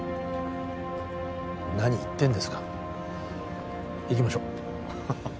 何言ってんですか行きましょうハハハ